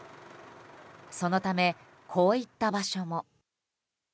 そのため、こういった場所も。